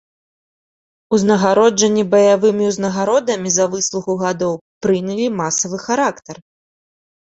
Узнагароджанні баявымі ўзнагародамі за выслугу гадоў прынялі масавы характар.